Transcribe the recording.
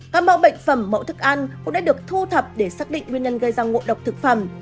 các mẫu bệnh phẩm mẫu thức ăn cũng đã được thu thập để xác định nguyên nhân gây ra ngộ độc thực phẩm